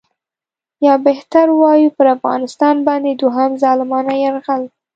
یا بهتر ووایو پر افغانستان باندې دوهم ظالمانه یرغل.